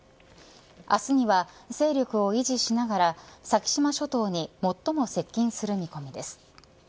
明日には勢力を維持しながら先島諸島に最も接近する見込みです。